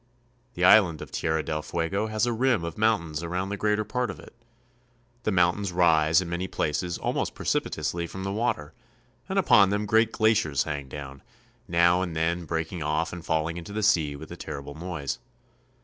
The island of Tierra del Fuego has a rim of mountains around the greater part of it. The mountains rise in many places almost precipitously from the water, and upon them great glaciers hang down, now and then breaking off and falling into the sea with a terrible noise.